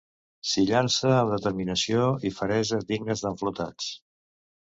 S'hi llança amb determinació i feresa dignes d'en Flotats.